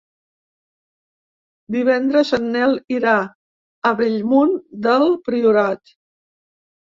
Divendres en Nel irà a Bellmunt del Priorat.